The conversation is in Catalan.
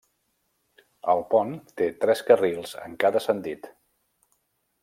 El pont té tres carrils en cada sentit.